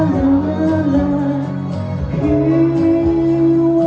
เธอก็ไม่รักเธอนะที่ไม่สนใจ